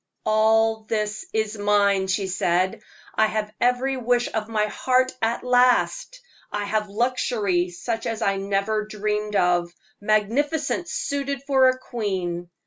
"All this is mine!" she said. "I have every wish of my heart at last! I have luxury such as I never dreamed of magnificence suited for a queen!